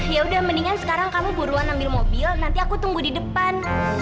ya udah mendingan sekarang kamu buruan ambil mobil nanti aku tunggu di depan